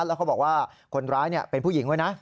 แล้วเขาบอกว่าคนร้ายเป็นผู้หญิงไว้นะ